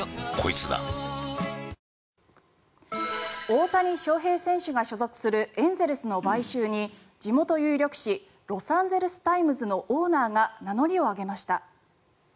大谷翔平選手が所属するエンゼルスの買収に地元有力紙ロサンゼルス・タイムズのオーナーが名乗りを上げました。